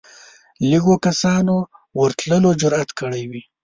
لږو کسانو ورتلو جرئت کړی وي